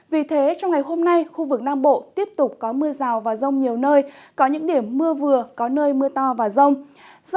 vì thế trong ngày hôm nay khu vực nam bộ tiếp tục có mưa rào và rông nhiều nơi có những điểm mưa vừa có nơi mưa to và rông